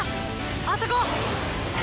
あそこ！